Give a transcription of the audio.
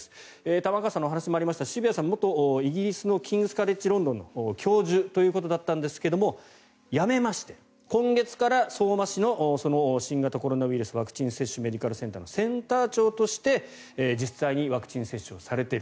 玉川さんのお話にもありましたが渋谷さんは元、イギリスのキングス・カレッジ・ロンドンの教授だったんですが辞めまして、今月から相馬市の新型コロナウイルスワクチン接種メディカルセンターのセンター長として、実際にワクチン接種をされている。